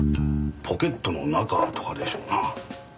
ポケットの中とかでしょうな。